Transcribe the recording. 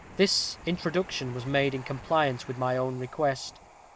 This introduction was made in compliance with my own request.